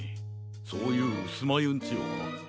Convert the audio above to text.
そういううすまゆんちは？